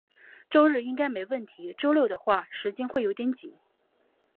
周日应该没问题，周六的话，时间会有点紧。